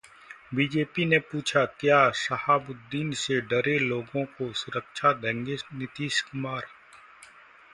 BJP ने पूछा- क्या शहाबुद्दीन से डरे लोगों को सुरक्षा देंगे नीतीश कुमार?